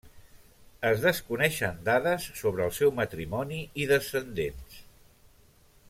Es desconeixen dades sobre el seu matrimoni i descendents.